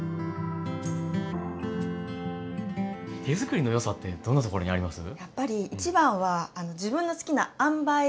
手づくりの良さってどんなところにあります？